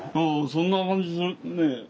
そんな感じするね。